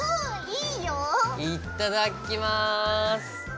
いっただきます。